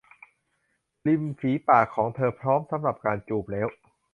ริมฝีปากของเธอพร้อมสำหรับการจูบแล้ว !